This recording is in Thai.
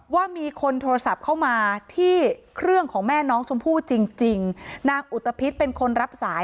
ว่ามีคนโทรศัพท์เข้ามาที่เครื่องของแม่น้องชมพู่จริงจริงนางอุตภิษเป็นคนรับสาย